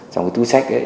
trong cái túi xách ấy